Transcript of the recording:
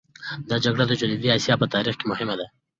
دا جګړه د جنوبي اسیا په تاریخ کې مهمه ده.